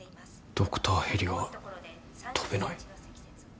ドクターヘリが飛べない。